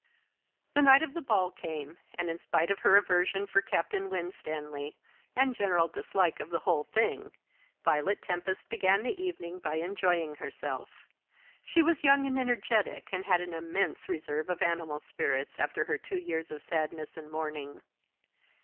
The night of the ball came, and, in spite of her aversion for Captain Winstanley, and general dislike of the whole thing, Violet Tempest began the evening by enjoying herself. She was young and energetic, and had an immense reserve of animal spirits after her two years of sadness and mourning.